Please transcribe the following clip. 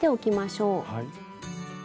はい。